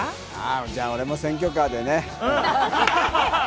じゃあ俺も選挙カーでね。